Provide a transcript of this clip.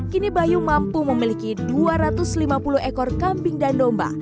kini bayu mampu memiliki dua ratus lima puluh ekor kambing dan domba